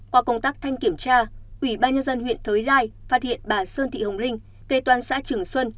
qua công tác thanh kiểm tra ủy ban nhân dân huyện thới lai phát hiện bà sơn thị hồng linh kế toàn xã trường xuân